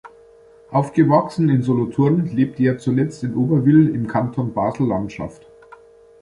Aufgewachsen in Solothurn lebte er zuletzt in Oberwil im Kanton Basel-Landschaft.